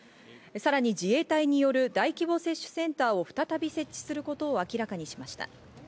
さらに自衛隊による大規模接種センターを再び設置することを明らかにしました。